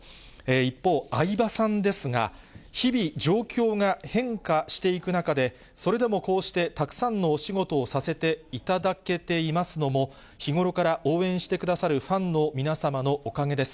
一方、相葉さんですが、日々、状況が変化していく中で、それでもこうしてたくさんのお仕事をさせていただけてますのも、日頃から応援してくださるファンの皆様のおかげです。